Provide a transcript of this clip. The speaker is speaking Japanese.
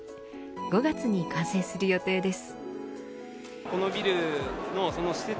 ５月に完成する予定です。